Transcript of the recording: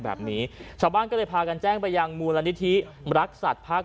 แบบนี้ชาวบ้านก็เลยพากันแจ้งไปยังมูลนิธิรักษัตริย์ภาค